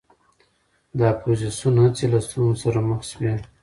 د اپوزېسیون هڅې له ستونزو سره مخ شوې.